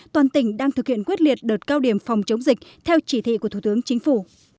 toàn tỉnh đang thực hiện quyết liệt đợt cao điểm phòng chống dịch theo chỉ thị của thủ tướng chính phủ